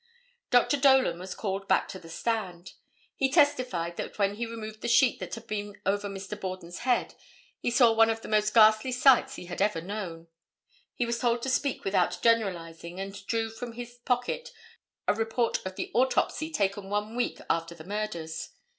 Dr. Dolan was called back to the stand. He testified that when he removed the sheet that had been over Mr. Borden's head, he saw one of the most ghastly sights he had ever known. He was told to speak without generalizing and drew from his pocket a report of the autopsy taken one week after the murders.